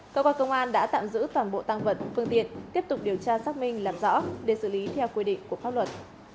cơ quan công an đã tạm giữ toàn bộ tăng vật phương tiện tiếp tục điều tra xác minh làm rõ để xử lý theo quy định của pháp luật